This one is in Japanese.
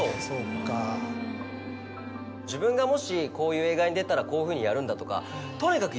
自分がもしこういう映画に出たらこういうふうにやるんだとかとにかく。